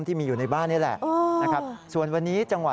ที่มีอยู่ในบ้านนี่แหละนะครับส่วนวันนี้จังหวะ